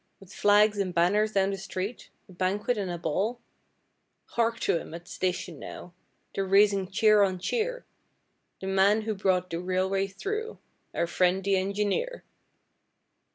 With flags and banners down the street, a banquet and a ball. Hark to 'em at the station now! They're raising cheer on cheer! "The man who brought the railway through our friend the engineer!"